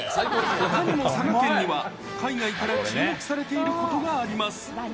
ほかにも佐賀県には、海外から注目されていることがあります。